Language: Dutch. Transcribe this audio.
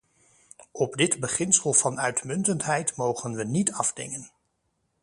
Op dit beginsel van uitmuntendheid mogen we niet afdingen.